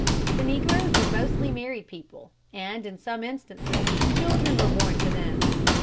The negroes were mostly married people, and in some instances children were born to them.